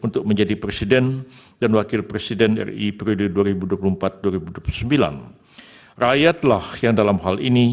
terima kasih terima kasih